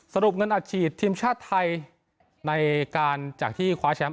สรุปเงินอัดฉีดทีมชาติไทยในการจากที่คว้าแชมป์